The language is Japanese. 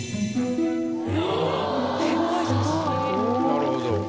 なるほど。